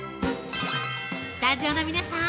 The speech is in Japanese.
スタジオの皆さん